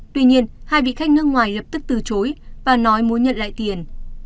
tuy nhiên hai vị khách nước ngoài lập tức từ chối và nói muốn nhận lại tiền